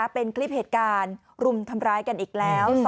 เป็นคลิปเหตุการณ์รุมทำร้ายกันอีกแล้ว